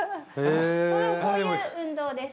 こういう運動です。